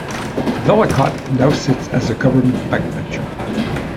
Vellacott now sits as a government backbencher.